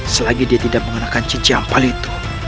selagi dia tidak menggunakan cincin ampal itu